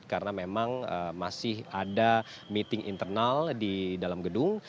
karena memang masih ada meeting internal di dalam gedung